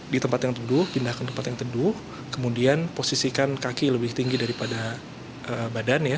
di tempat yang teduh pindah ke tempat yang teduh kemudian posisikan kaki lebih tinggi daripada badan ya